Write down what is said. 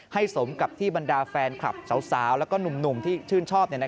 สมกับที่บรรดาแฟนคลับสาวแล้วก็หนุ่มที่ชื่นชอบ